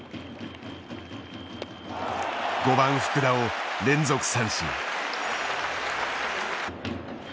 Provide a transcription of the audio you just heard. ５番福田を連続三振。